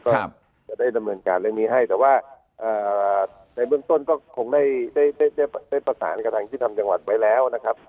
ก็จะได้ดำเนินการเรื่องนี้ให้แต่ว่าในเบื้องต้นก็คงได้ได้ประสานกับทางยุทธรรมจังหวัดไว้แล้วนะครับ